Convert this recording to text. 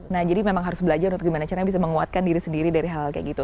nah jadi memang harus belajar untuk gimana caranya bisa menguatkan diri sendiri dari hal hal kayak gitu